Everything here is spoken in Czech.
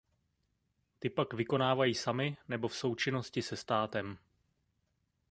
Ty pak vykonávají samy nebo v součinnosti se státem.